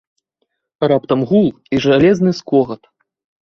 Раптам гул і жалезны скогат.